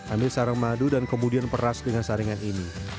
ambil sarang madu dan kemudian peras dengan saringan ini